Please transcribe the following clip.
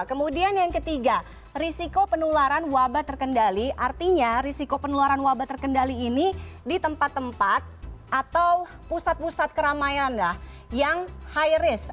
kemudian yang ketiga risiko penularan wabah terkendali artinya risiko penularan wabah terkendali ini di tempat tempat atau pusat pusat keramaian lah yang high risk